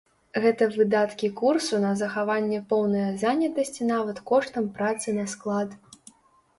Гэта выдаткі курсу на захаванне поўнае занятасці нават коштам працы на склад.